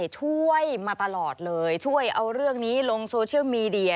ช่วยมาตลอดเลยช่วยเอาเรื่องนี้ลงโซเชียลมีเดีย